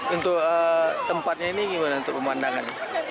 untuk tempatnya ini gimana untuk pemandangan